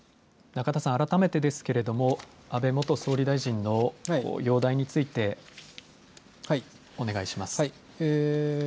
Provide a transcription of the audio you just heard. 中田さん、改めてですけれども、安倍元総理大臣の容体についてお願いします。